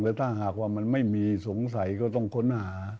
ถ้าหากว่ามันไม่มีสงสัยก็ต้องค้นหา